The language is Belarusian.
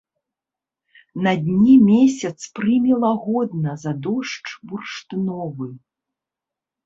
На дне месяц прыме лагодна за дождж бурштыновы.